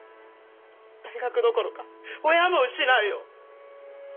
大学どころか親も失うよ！